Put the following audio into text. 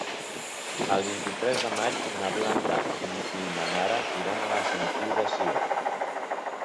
El vint-i-tres de maig na Blanca i na Nara iran a la Sentiu de Sió.